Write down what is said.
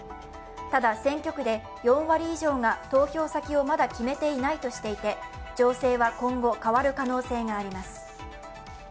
ただ、選挙区で４割以上が投票先をまだ決めていないとしていて、情勢は今後、変わる可能性があります。